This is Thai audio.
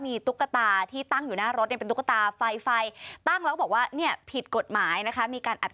มีตุ๊กกัตตี้